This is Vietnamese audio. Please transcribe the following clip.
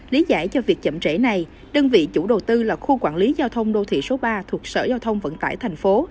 lý giải cho việc chậm trễ này đơn vị chủ đầu tư là khu quản lý giao thông đô thị số ba thuộc sở giao thông vận tải thành phố